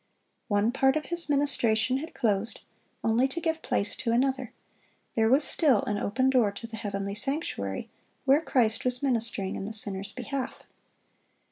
One part of His ministration had closed, only to give place to another. There was still an "open door" to the heavenly sanctuary, where Christ was ministering in the sinner's behalf.